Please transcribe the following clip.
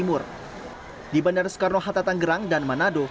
cubir satgas covid sembilan belas jawa timur